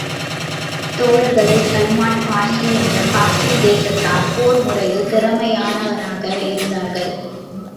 தோழர்களில் Salman Farsi என்ற பார்ஸி தேசத்தார் போர் முறைமையில் திறமையானவராக இருந்தார்கள்.